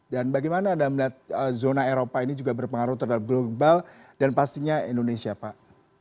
dan bagaimana anda melihat zona eropa ini juga berpengaruh terhadap global dan pastinya indonesia pak